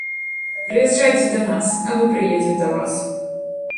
Прыязджайце да нас, а мы прыедзем да вас.